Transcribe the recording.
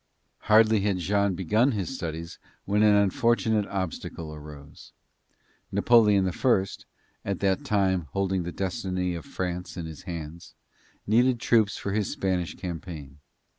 Hardly had Jean begun his studies when an unfortunate obstacle arose. Napoleon I, at that time holding the destiny of France in his hands, needed troops for his Spanish campaign.